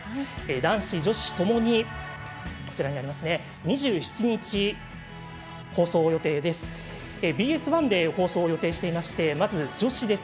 男子、女子ともに２７日、放送予定です。